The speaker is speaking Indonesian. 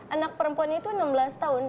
anak perempuan itu enam belas tahun